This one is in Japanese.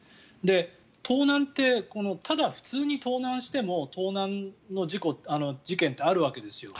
盗難って、ただ普通に盗難しても盗難の事件ってあるわけです。